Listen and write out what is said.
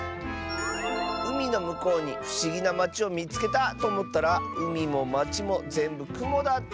「うみのむこうにふしぎなまちをみつけたとおもったらうみもまちもぜんぶくもだった」。